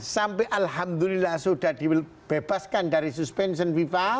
sampai alhamdulillah sudah dibebaskan dari suspension viva